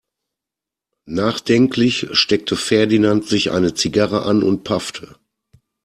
Nachdenklich steckte Ferdinand sich eine Zigarre an und paffte.